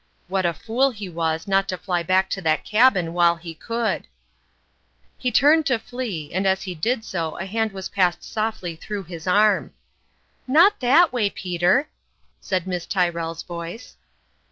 "What a fool he was not to fly back to that cabin while he could ! He turned to flee, and as he did so a hand was passed softly through his arm. " Not that way, Peter !" said Miss Tyrrell's voice.